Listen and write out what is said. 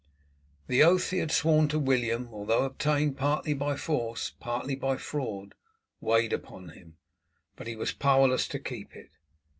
The oath he had sworn to William, although obtained partly by force partly by fraud, weighed upon him, but he was powerless to keep it.